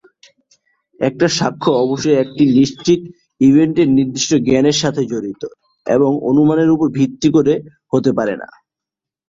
একটা সাক্ষ্য অবশ্যই একটি নিশ্চিত ইভেন্টের নির্দিষ্ট জ্ঞানের সাথে জড়িত, এবং অনুমানের উপর ভিত্তি করে হতে পারে না।